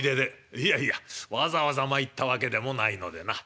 「いやいやわざわざ参ったわけでもないのでな。